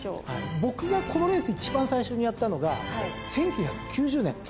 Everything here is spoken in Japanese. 僕がこのレース１番最初にやったのが１９９０年。